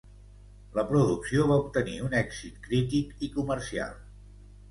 La producció va obtenir un èxit crític i comercial.